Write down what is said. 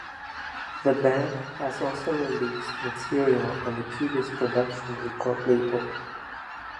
The band has also released material on the Cubist Production record label.